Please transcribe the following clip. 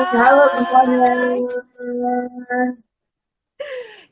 halo selamat datang